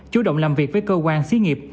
chủ động làm việc với cơ quan xí nghiệp